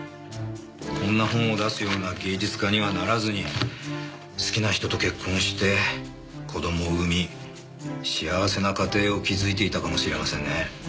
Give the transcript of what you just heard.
こんな本を出すような芸術家にはならずに好きな人と結婚して子供を産み幸せな家庭を築いていたかもしれませんね。